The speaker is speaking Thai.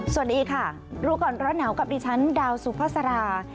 สวัสดีค่ะรู้ก่อนร้อนหนาวกับดิฉันดาวสุภาษารา